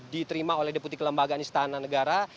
diterima oleh deputi kelembagaan istana negara